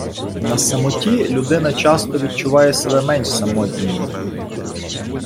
На самоті людина часто відчуває себе менш самотньою